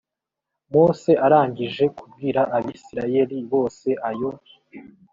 mose arangije kubwira abisirayeli bose ayo